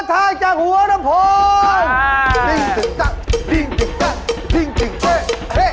รถไพรออกเดินทางจากหัวหน้าโฟน